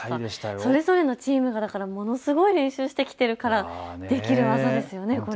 それぞれのチームがものすごい練習してきているからできる技ですよね。